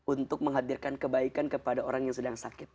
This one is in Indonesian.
untuk menghadirkan kebaikan kepada orang yang sedang sakit